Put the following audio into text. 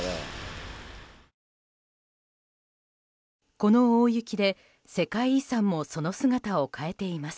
この大雪で、世界遺産もその姿を変えています。